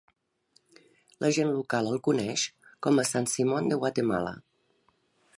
La gent local el coneix com a San Simón de Guatemala.